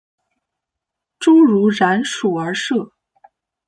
侏儒蚺属而设。